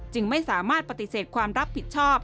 จึงไม่สามารถปฏิเสธความรับผิดชอบ